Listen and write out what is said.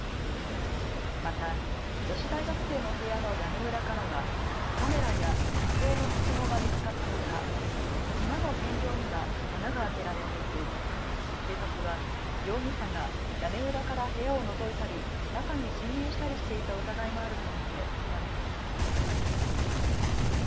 また女子大学生の部屋の屋根裏からはカメラや手製のはしごが見つかったほか居間の天井には穴が開けられていて警察は容疑者が屋根裏から部屋をのぞいたり、中に侵入したりしていた疑いもあると見て調べています。